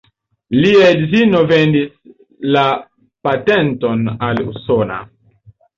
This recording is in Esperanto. Lia edzino vendis la patenton al usona.